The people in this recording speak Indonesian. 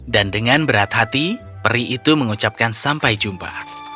dan dengan berat hati peri itu mengucapkan sampai jumpa